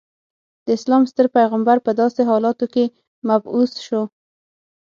د اسلام ستر پیغمبر په داسې حالاتو کې مبعوث شو.